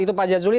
itu pak jazuli